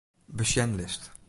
Besjenlist.